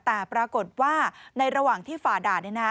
แต่ปรากฏว่าในระหว่างที่ฝ่าด่าน